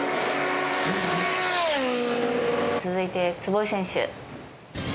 続いて坪井選手。